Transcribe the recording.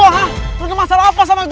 selalu ini masalah apa sama gue